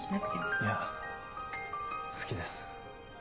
いや好きです。